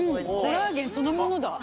コラーゲンそのものだ。